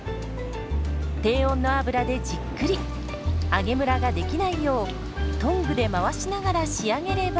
低温の油でじっくり揚げむらができないようトングで回しながら仕上げれば。